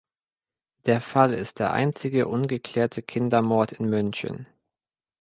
Der Fall ist der einzige ungeklärte Kindermord in München.